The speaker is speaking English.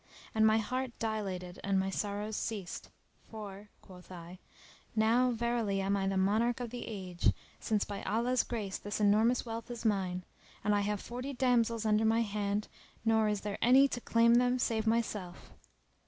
And my heart dilated and my sorrows ceased, "For," quoth I, "now verily am I the monarch of the age, since by Allah's grace this enormous wealth is mine; and I have forty damsels under my hand nor is there any to claim them save myself."